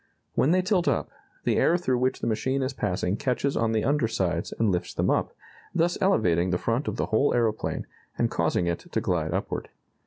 When they tilt up, the air through which the machine is passing catches on the under sides and lifts them up, thus elevating the front of the whole aeroplane and causing it to glide upward.